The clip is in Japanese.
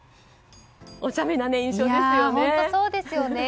おちゃめな印象ですよね。